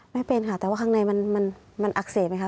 ไม่เป็นค่ะแต่ว่าข้างในมันอักเสบไหมคะ